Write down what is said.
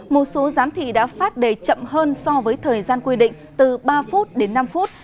một số giám thị đã phát đề chậm hơn so với thời gian quy định từ ba phút đến năm phút